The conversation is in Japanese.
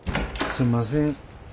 すんません。